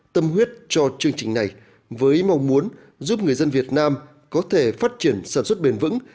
tâm huyết cho chương trình này với mong muốn giúp người dân việt nam có thể phát triển sản xuất bền vững